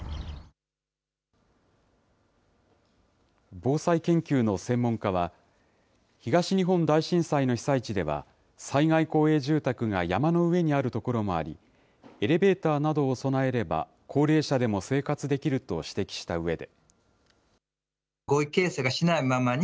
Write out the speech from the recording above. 防災研究の専門家は、東日本大震災の被災地では、災害公営住宅が山の上にある所もあり、エレベーターなどを備えれば、高齢者でも生活できると指摘したうえで。